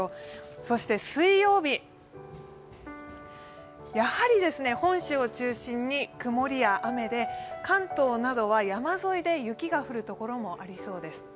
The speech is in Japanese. そして水曜日、やはり本州を中心にくもりや雨で関東などは山沿いで雪が降るところもありそうです。